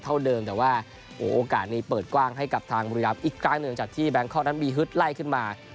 แต่ว่าโอกาสนี้เปิดกว้างให้กับทางบริรับย์อีกครั้งหนึ่งจากที่แบงค์คอร์ดันบีฮึดไล่ขึ้นมา